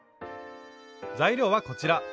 材料はこちら。